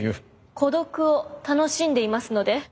孤独を楽しんでいますので。